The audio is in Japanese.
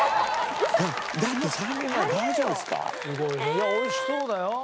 いや美味しそうだよ。